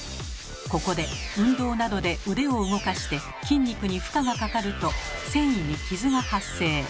ここで運動などで腕を動かして筋肉に負荷がかかると線維に傷が発生。